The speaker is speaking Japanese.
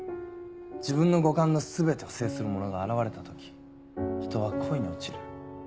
自分の五感の全てを制する者が現れた時人は恋に落ちる。